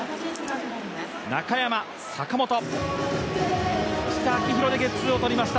中山、坂本、そして秋広でゲッツーをとりました。